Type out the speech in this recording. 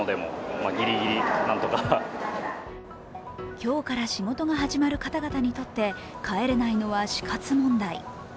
今日から仕事が始まる方々にとって帰れないのは死活問題。